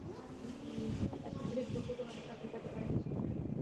Esoteric বৌদ্ধগণ আমাকে আর ঠকাইতে পারিতেছে না।